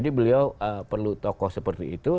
beliau perlu tokoh seperti itu